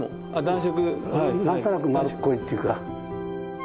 何となく丸っこいっていうか。